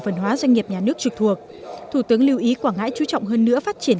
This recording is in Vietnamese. phần hóa doanh nghiệp nhà nước trực thuộc thủ tướng lưu ý quảng ngãi chú trọng hơn nữa phát triển